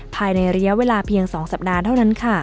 ภายในระยะเวลาเพียง๒สัปดาห์เท่านั้นค่ะ